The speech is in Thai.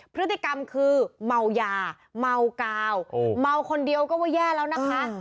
พฤติกรรมคือเมายาเมากาวเมาคนเดียวก็ว่าแย่แล้วนะคะ